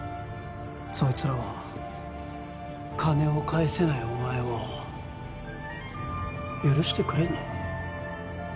そいつらは金を返せないお前を許してくれんの？